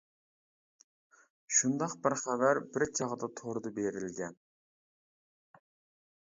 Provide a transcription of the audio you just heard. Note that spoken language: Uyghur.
شۇنداق بىر خەۋەر بىر چاغدا توردا بېرىلگەن.